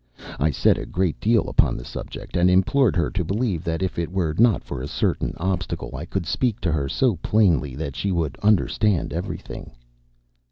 I said a great deal upon the subject, and implored her to believe that if it were not for a certain obstacle I could speak to her so plainly that she would understand everything.